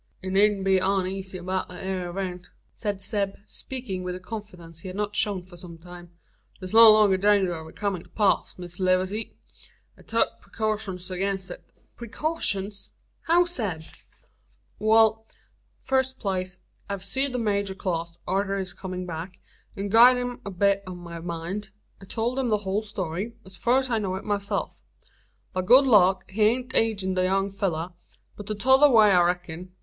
"Ee needn't be uneezy 'beout thet ere ewent," said Zeb, speaking with a confidence he had not shown for some time. "Thur's no longer a danger o' it comin' to pass, Miss Lewaze. I've tuk preecaushins agin it." "Precautions! How, Zeb?" "Wal; fust place, I've seed the major clost arter his comin' back, an gied him a bit o' my mind. I tolt him the hul story, as fur's I know it myself. By good luck he ain't agin the young fellur, but the tother way I reck'n.